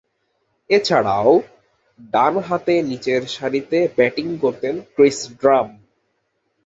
এছাড়াও, ডানহাতে নিচেরসারিতে ব্যাটিং করতেন ক্রিস ড্রাম।